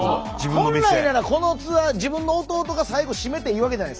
本来ならこのツアー自分の弟が最後締めていいわけじゃないですか。